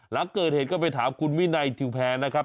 หลังเกิดเหตุก็ไปถามคุณวินัยทิวแพรนะครับ